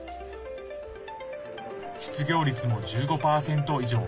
失業率も１５％以上。